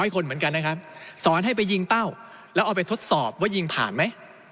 คนเหมือนกันนะครับสอนให้ไปยิงเต้าแล้วเอาไปทดสอบว่ายิงผ่านไหม